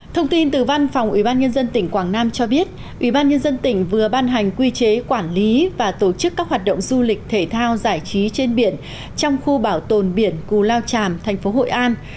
thông tin từ văn phòng ubnd tỉnh quảng nam cho biết ubnd tỉnh vừa ban hành quy chế quản lý và tổ chức các hoạt động du lịch thể thao giải trí trên biển trong khu bảo tồn biển cù lao tràm thành phố hội an